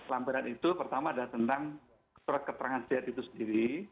lampiran itu pertama adalah tentang surat keterangan sehat itu sendiri